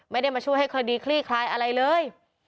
ไม่ได้มาช่วยให้คดีคลี่คลายอะไรเลย